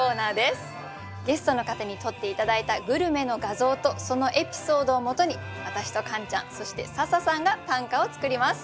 ゲストの方に撮って頂いたグルメの画像とそのエピソードをもとに私とカンちゃんそして笹さんが短歌を作ります。